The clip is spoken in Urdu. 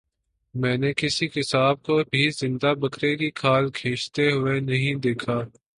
میں نے کسی قصاب کو بھی زندہ بکرے کی کھال کھینچتے ہوئے نہیں دیکھا